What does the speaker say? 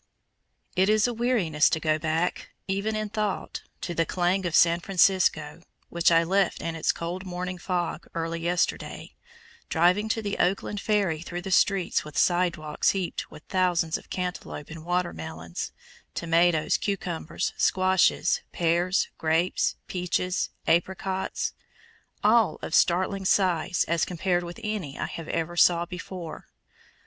It is a weariness to go back, even in thought, to the clang of San Francisco, which I left in its cold morning fog early yesterday, driving to the Oakland ferry through streets with side walks heaped with thousands of cantaloupe and water melons, tomatoes, cucumbers, squashes, pears, grapes, peaches, apricots all of startling size as compared with any I ever saw before.